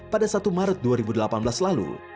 pada satu maret dua ribu delapan belas lalu